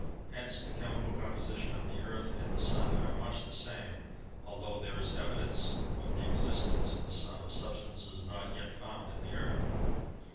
Hence the chemical composition of the Earth and the Sun are much the same, altho there is evidence of the existence in the Sun of substances not yet found in the Earth.